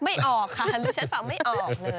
ไม่ออกค่ะดิฉันฟังไม่ออกเลย